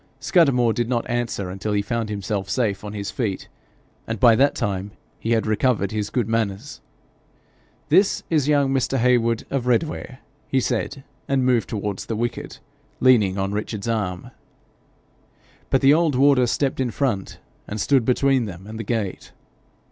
Scudamore did not answer until he found himself safe on his feet, and by that time he had recovered his good manners. 'This is young Mr. Heywood of Redware,' he said, and moved towards the wicket, leaning on Richard's arm. But the old warder stepped in front, and stood between them and the gate.